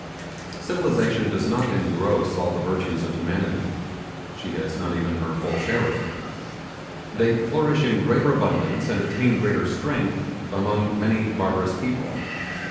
Civilization does not engross all the virtues of humanity: she has not even her full share of them. They flourish in greater abundance and attain greater strength among many barbarous people.